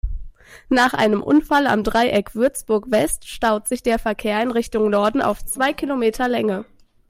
Nach einem Unfall am Dreieck Würzburg-West staut sich der Verkehr in Richtung Norden auf zwei Kilometer Länge.